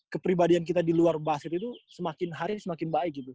kepribadian kita di luar basket itu semakin hari ini semakin baik gitu